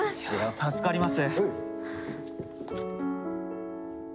助かります。